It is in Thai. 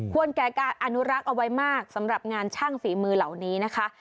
แก่การอนุรักษ์เอาไว้มากสำหรับงานช่างฝีมือเหล่านี้นะคะ